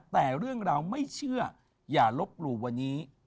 แต่เรื่องราวไม่เชื่ออย่าลบหลู่วันนี้